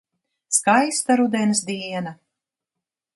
Skaista rudens diena.